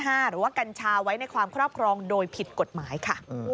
หรือว่ากัญชาไว้ในความครอบครองโดยผิดกฎหมายค่ะ